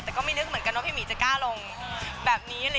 แต่ก็ไม่นึกเหมือนกันว่าพี่หมีจะกล้าลงแบบนี้